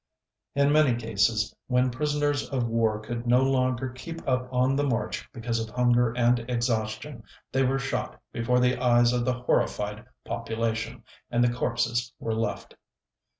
"In many cases, when prisoners of war could no longer keep up on the march because of hunger and exhaustion, they were shot before the eyes of the horrified population, and the corpses were left.